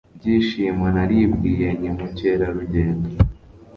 Byishimo naribwiye nti mukerarugendo